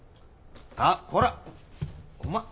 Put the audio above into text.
あっこらっ！